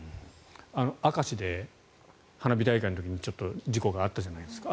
明石で花火大会の時に事故があったじゃないですか。